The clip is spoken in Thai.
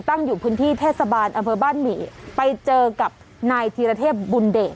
ตั้งอยู่พื้นที่เทศบาลอำเภอบ้านหมี่ไปเจอกับนายธีรเทพบุญเดช